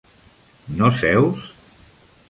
No seus?